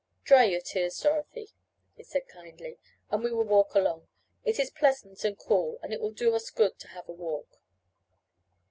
"Dry your tears, Dorothy," he said kindly, "and we will walk along. It is pleasant and cool, and it will do us good to have a walk."